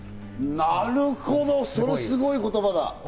なるほど、それすごい言葉だ。